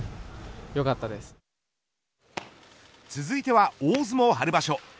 続いては大相撲春場所。